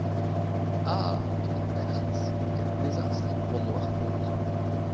Ah ! quelle perte ! quel désastre pour noire cause !